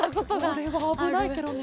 それはあぶないケロね。